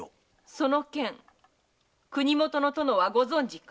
その件国もとの殿はご存じか？